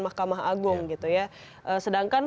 mahkamah agung gitu ya sedangkan